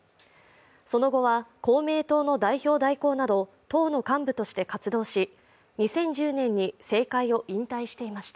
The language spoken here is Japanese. その後は、公明党の代表代行など党の幹部として活動し２０１０年に政界を引退していました。